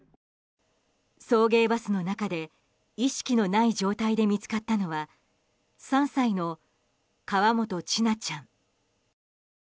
送迎バスの中で意識のない状態で見つかったのは３歳の河本千奈ちゃん。